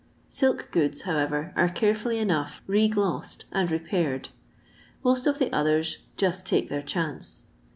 '* Silk goods, however, are carefully enough re glossed and repaired. Most of the others ''just take their chance."